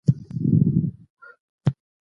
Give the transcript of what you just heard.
د ارغنداب سیند سیمه د پانګونې لپاره مناسبه ده.